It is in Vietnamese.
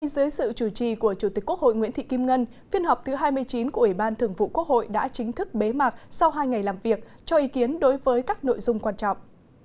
dưới sự chủ trì của chủ tịch quốc hội nguyễn thị kim ngân phiên họp thứ hai mươi chín của ủy ban thường vụ quốc hội đã chính thức bế mạc sau hai ngày làm việc cho ý kiến đối với các nội dung quan trọng